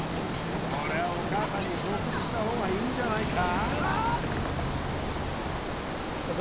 これはお母さんに報告した方がいいんじゃないか？